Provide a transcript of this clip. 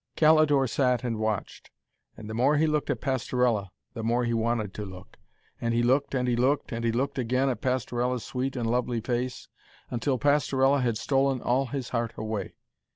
Calidore sat and watched. And the more he looked at Pastorella, the more he wanted to look. And he looked, and he looked, and he looked again at Pastorella's sweet and lovely face, until Pastorella had stolen all his heart away.